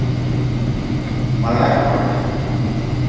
Ma lahra kodi.